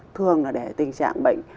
thường là để tình trạng bệnh